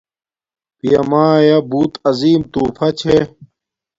پیامایا بوت عظیم تُوفہ چھے